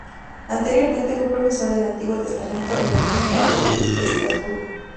Anteriormente fue profesor del Antiguo Testamento en la Universidad de Estrasburgo.